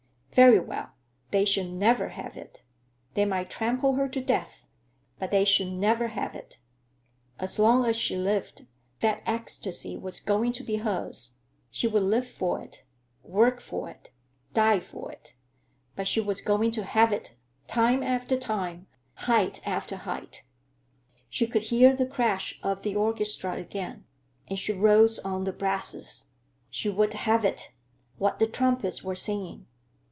Very well; they should never have it. They might trample her to death, but they should never have it. As long as she lived that ecstasy was going to be hers. She would live for it, work for it, die for it; but she was going to have it, time after time, height after height. She could hear the crash of the orchestra again, and she rose on the brasses. She would have it, what the trumpets were singing!